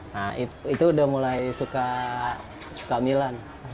nah itu udah mulai suka milan